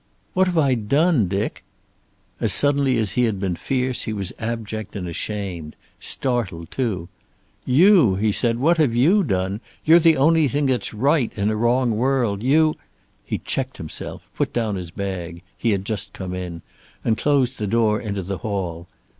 "What have I done, Dick?" As suddenly as he had been fierce he was abject and ashamed. Startled, too. "You?" he said. "What have you done? You're the only thing that's right in a wrong world. You " He checked himself, put down his bag he had just come in and closed the door into the hall.